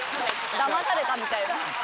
・・だまされたみたいな・